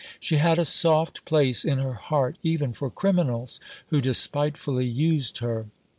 She had a soft place in her heart even for criminals who despitefully used her.